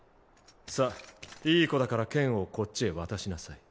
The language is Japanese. さあいい子だから剣をこっちへ渡しなさい。